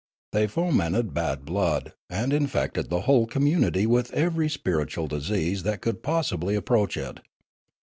They fomented bad blood, and in fected the whole community with every spiritual disease that could possibly approach it.